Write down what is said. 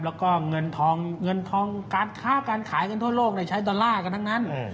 แล้วก็เงินทองการค้าการขายเงินทั่วโลกในชั้นดอลลาร์กันทั้งนั้น